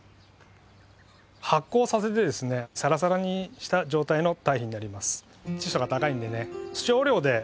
発酵させてですねさらさらにした状態の堆肥になります。